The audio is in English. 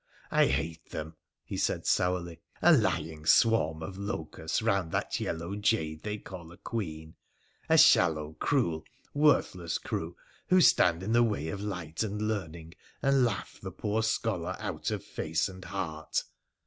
I hate them,' he said sourly ;' a lying swarm of locusts round that yellow jade they call a Queen — a shallow, cruel, worthless crew who stand in the way of light and learning, and laugh the poor scholar out of face and heart